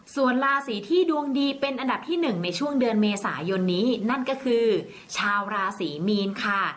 ส่วนราศีที่ดวงดีเป็นอันดับที่๑ในช่วงเดือนเมษายนนี้นั่นก็คือชาวราศรีมีนค่ะ